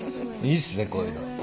いいっすねこういうの。